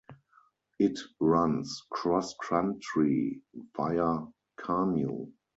It runs cross-country via Carnew.